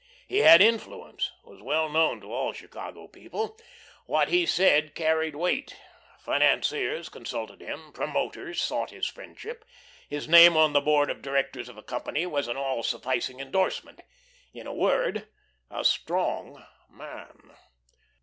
He had influence, was well known to all Chicago people, what he said carried weight, financiers consulted him, promoters sought his friendship, his name on the board of directors of a company was an all sufficing endorsement; in a word, a "strong" man.